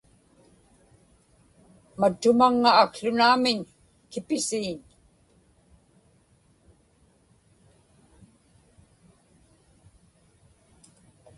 mattumaŋŋa akłunaamiñ kipisiiñ